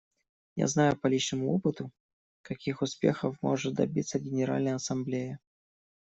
Я знаю по личному опыту, каких успехов может добиться Генеральная Ассамблея.